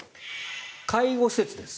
介護施設です。